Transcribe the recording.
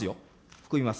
含みます。